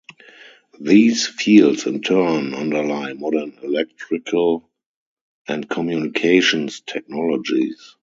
These fields in turn underlie modern electrical and communications technologies.